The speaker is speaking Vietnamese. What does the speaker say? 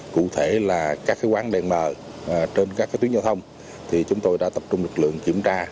cụ thể là các quán đèn mờ trên các tuyến giao thông thì chúng tôi đã tập trung lực lượng kiểm tra